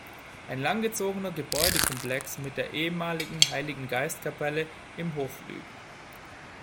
Ein langgezogener Gebäudekomplex mit der ehemaligen Heiligen-Geist-Kapelle im Hofflügel.